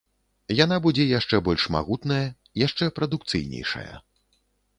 Яна будзе яшчэ больш магутная, яшчэ прадукцыйнейшая.